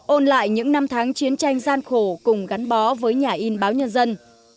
ôn lại những năm tháng chiến tranh gian khổ cùng gắn bó với nhà in báo nhân dân